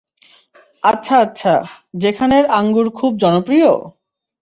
আচ্ছা আচ্ছা, যেখানের আঙ্গুর খুব জনপ্রিয়?